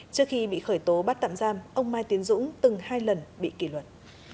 trước khi bị khởi tố bắt tạm giam ông mai tiến dũng từng hai lần bị kỷ luật